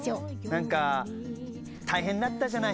何か大変だったじゃない。